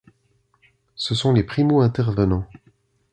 Ce sont les primo-intervenants.